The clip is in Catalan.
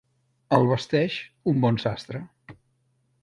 El vesteix un bon sastre.